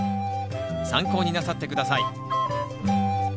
参考になさって下さい。